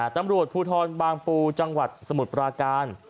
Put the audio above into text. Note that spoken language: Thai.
ตำรวจภูทรบางปูจังหวัดสมุทรปราการ